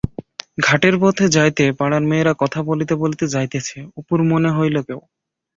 ঘাটের পথে যাইতে পাড়ার মেয়েরা কথা বলিতে বলিতে যাইতেছে, অপুর মনে হইল কেহ।